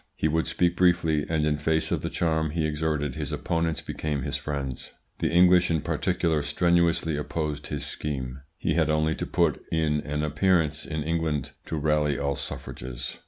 He would speak briefly, and in face of the charm he exerted his opponents became his friends. The English in particular strenuously opposed his scheme; he had only to put in an appearance in England to rally all suffrages.